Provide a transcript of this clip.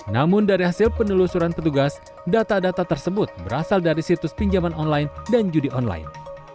namun dari hasil penelusuran petugas data data tersebut berasal dari situs pinjaman online dan judi online